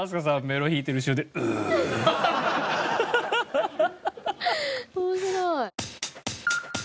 面白い。